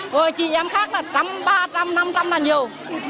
rồi chị em khác là ba trăm linh năm trăm linh là nhiều